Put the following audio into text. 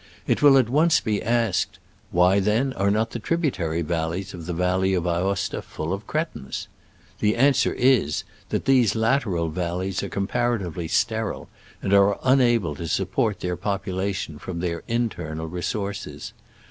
It will at once be asked, Why, then, are not the tribu tary valleys of the valley of Aosta full of cretins ?" The answer is, that these lateral valleys are comparatively sterile, and are unable to support their popula tion from their internal resources.